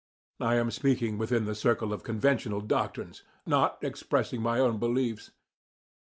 (I am speaking within the circle of conventional doctrines, not expressing my own beliefs.)